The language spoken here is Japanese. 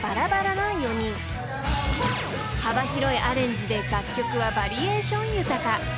［幅広いアレンジで楽曲はバリエーション豊か］